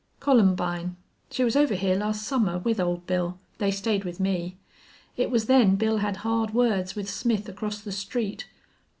"Columbine. She was over here last summer with Old Bill. They stayed with me. It was then Bill had hard words with Smith across the street.